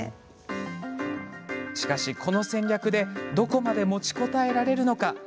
しかし、この戦略でどこまで持ちこたえられるか。